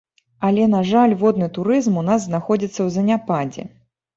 Але, на жаль, водны турызм у нас знаходзіцца ў заняпадзе.